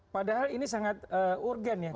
padahal ini sangat urgen ya